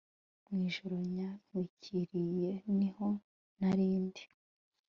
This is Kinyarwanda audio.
Mu ijoro ryantwikiriyeniho narindi